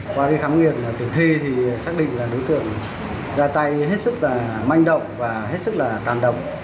qua khám nghiệm tử thi thì xác định là đối tượng ra tay hết sức là manh động và hết sức là tàn động